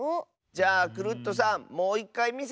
じゃあクルットさんもういっかいみせて！